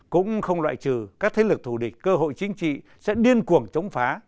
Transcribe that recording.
cũng không loại trừ các thế lực thù địch cơ hội chính trị sẽ điên cuồng chống phá